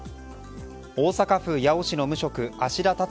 大阪府八尾市の無職芦田達哉